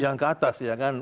yang keatas ya kan